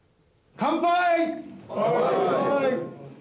乾杯。